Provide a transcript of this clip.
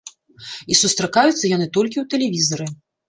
І сустракаюцца яны толькі ў тэлевізары.